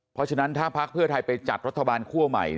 เพราะฉะนั้นถ้าพักเพื่อไทยไปจัดรัฐบาลคั่วใหม่